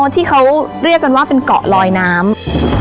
ที่เขาเรียกกันว่าเป็นเกาะลอยน้ำ